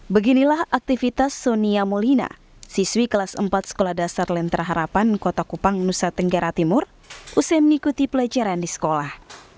beginilah aktivitas sonia molina siswi kelas empat sekolah dasar lentera harapan kota kupang nusa tenggara timur usai mengikuti pelajaran di sekolah